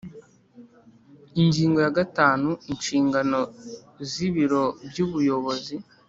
Ingingo ya gatanu Inshingano z Ibiro by Ubuyobozi